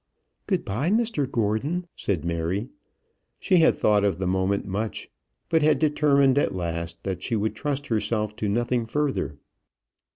"Good bye, Mr Gordon," said Mary. She had thought of the moment much, but had determined at last that she would trust herself to nothing further.